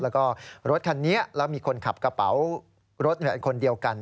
แล้วก็รถคันนี้แล้วมีคนขับกระเป๋ารถคนเดียวกัน